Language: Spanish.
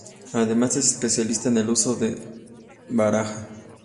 Además es especialista en el uso de la baraja.